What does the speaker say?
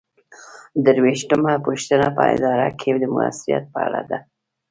درویشتمه پوښتنه په اداره کې د مؤثریت په اړه ده.